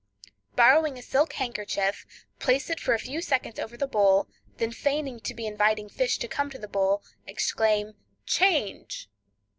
Borrowing a silk handkerchief, place it for a few seconds over the bowl, and feigning to be inviting fish to come to the bowl, exclaim "Change!"